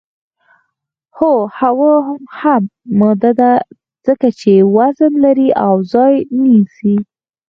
هو هوا هم ماده ده ځکه چې وزن لري او ځای نیسي.